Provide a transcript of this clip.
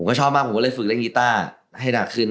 ก็ชอบมากผมก็เลยฝึกเล่นกีต้าให้หนักขึ้น